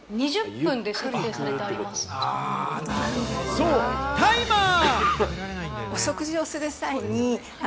そう、タイマー。